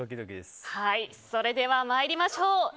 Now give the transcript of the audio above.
それでは参りましょう。